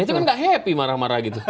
itu kan gak happy marah marah gitu